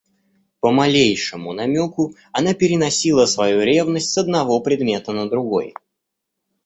По малейшему намеку она переносила свою ревность с одного предмета на другой.